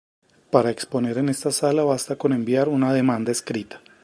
Para exponer en esta sala basta con enviar una demanda escrita.